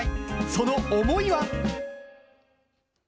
その思いは。